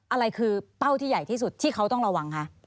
อะไรคือเป้าที่ใหญ่ที่สุดที่เขาต้องระวังคะ